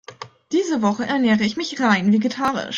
Diese Woche ernähre ich mich rein vegetarisch.